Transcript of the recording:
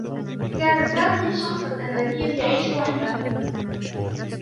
كان سامي شخصا أنانيّا يعيش وحده.